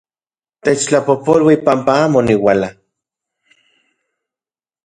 Techtlapojpolui panpa amo oniuala...